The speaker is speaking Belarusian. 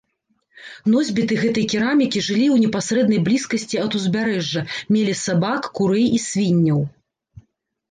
Носьбіты гэтай керамікі жылі ў непасрэднай блізкасці ад узбярэжжа, мелі сабак, курэй і свінняў.